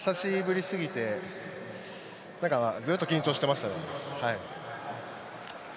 久しぶりすぎて、ずっと緊張していましたね。